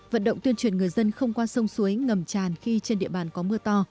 vận động tuyên truyền người dân không qua sông suối ngầm tràn khi trên địa bàn có mưa to